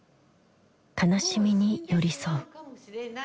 悲しみに寄り添う。